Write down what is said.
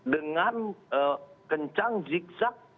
dengan kencang zigzag